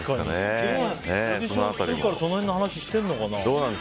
その辺の話してるのかな？